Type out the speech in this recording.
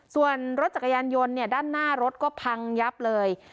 ส่วนรถจักรยานยนต์เนี่ยด้านหน้ารถก็พังยับเลย